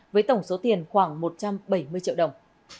với tổng số tiền khoảng một trăm bảy mươi triệu đồng